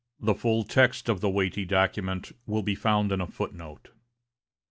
The full text of the weighty document will be found in a foot note.